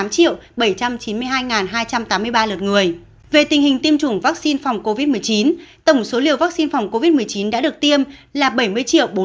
về tình hình tiêm chủng vaccine phòng covid một mươi chín tổng số liều vaccine phòng covid một mươi chín đã được tiêm là bảy mươi bốn trăm tám mươi tám sáu trăm chín mươi bốn liều